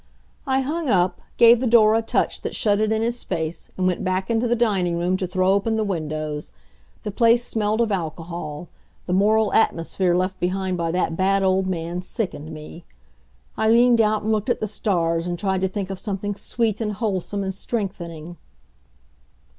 I hung up, gave the door a touch that shut it in his face and went back into the dining room to throw open the windows. The place smelled of alcohol; the moral atmosphere left behind by that bad old man sickened me. I leaned out and looked at the stars and tried to think of something sweet and wholesome and strengthening.